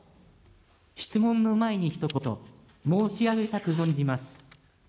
質問の前にひと言、申し上げたく存じます。